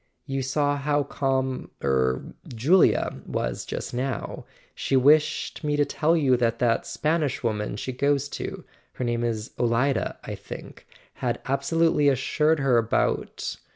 You saw how calm—er—Julia was just now: she wished me to tell you that that Spanish woman she goes to—her name is Olida, I think—had abso¬ lutely reassured her about.